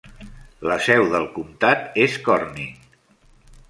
La seu del comtat és Corning.